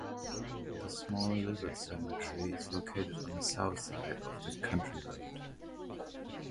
The small Lizard Cemetery is located on the south side of the county road.